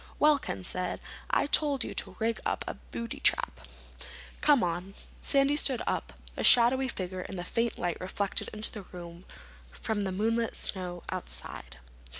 "Well," Ken said, "I told you to rig up a booby trap." "Come on." Sandy stood up, a shadowy figure in the faint light reflected into the room from the moonlit snow outside.